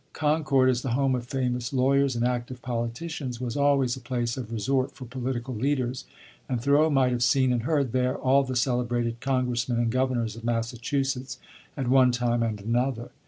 Concord, as the home of famous lawyers and active politicians, was always a place of resort for political leaders, and Thoreau might have seen and heard there all the celebrated congressmen and governors of Massachusetts, at one time and another.